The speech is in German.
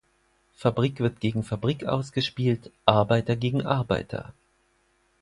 Fabrik wird gegen Fabrik ausgespielt, Arbeiter gegen Arbeiter.